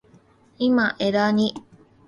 今、技に…。